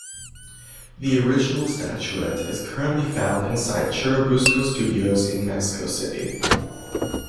The original statuette is currently found inside Churubusco Studios in Mexico City.